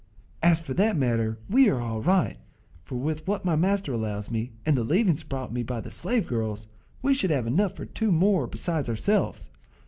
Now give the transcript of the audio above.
"As for that matter we are all right; for with what my master allows me, and the leavings brought me by the slave girls, we should have enough for two more besides ourselves.